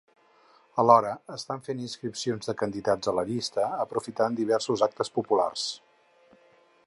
Alhora estant fent inscripcions de candidats a la llista aprofitant diversos actes populars.